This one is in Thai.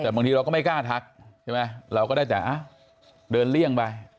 แต่บางทีเราก็ไม่กล้าถักใช่ไหม